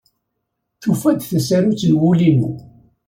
Tufa-d tasarut n wul-inu.